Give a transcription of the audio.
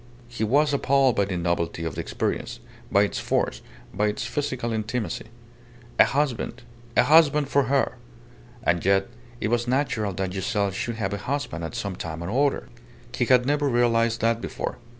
He was appalled by the novelty of the experience, by its force, by its physical intimacy. A husband! A husband for her! And yet it was natural that Giselle should have a husband at some time or other. He had never realized that before.